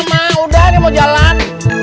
jangan mau jalan